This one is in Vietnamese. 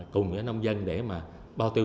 cùng với nông dân để bao tiêu